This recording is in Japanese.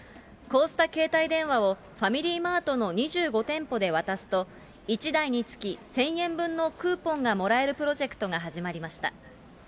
こうした携帯電話をファミリーマートの２５店舗で渡すと、１台につき１０００円分のクーポンがもらえるプロジェクトが始まりました。